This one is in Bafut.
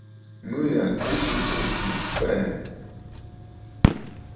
Nû yà ɨ swu jiʼì swù fɛɛ̀.